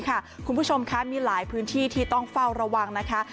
คุณผู้ชมคะมีหลายพื้นที่ที่ต้องเฝ้าระวังนะคะ